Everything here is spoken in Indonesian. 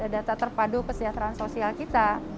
data terpadu kesejahteraan sosial kita